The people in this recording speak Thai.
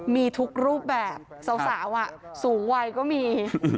มีทุกรูปแบบสาวสูงวัยก็มี